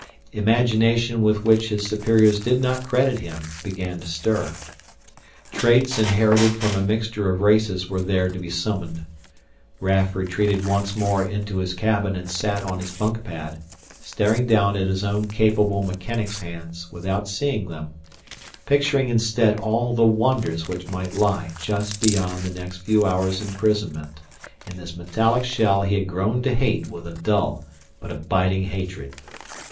Imagination with which his superiors did not credit him began to stir. Traits inherited from a mixture of races were there to be summoned. Raf retreated once more into his cabin and sat on his bunk pad, staring down at his own capable mechanic's hands without seeing them, picturing instead all the wonders which might lie just beyond the next few hours' imprisonment in this metallic shell he had grown to hate with a dull but abiding hatred.